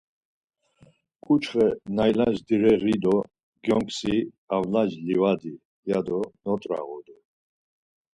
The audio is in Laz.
Ǩuçxe naylaş direği do gyonksi avlaş livadi, ya do not̆roğodu.